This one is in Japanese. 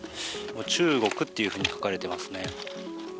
中国っていうふうに書かれていますね。